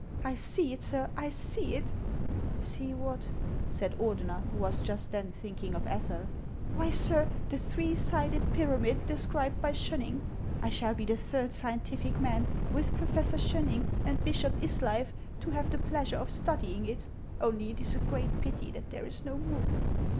I see it, sir, I see it !" "See what?" said Ordener, who was just then thinking of Ethel. " Why, sir, the three sided pyramid described by Schoen ning. I shall be the third scientific man, with Professor Schoenning and Bishop Isleif, to have the pleasure of study ing it. Only it is a great pity that there is no moon."